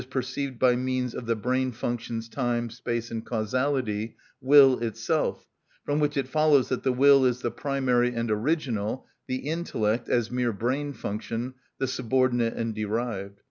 _, perceived by means of the brain functions, time, space, and causality) will itself, from which it follows that the will is the primary and original, the intellect, as mere brain function, the subordinate and derived.